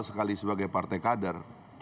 sekali sebagai partai kader